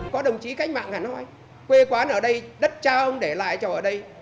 có đồng chí cách mạng hà nội nói quê quán ở đây đất cha ông để lại cho ở đây